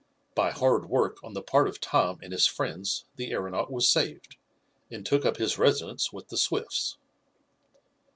By hard work on the part of Tom and his friends the aeronaut was saved, and took up his residence with the Swifts.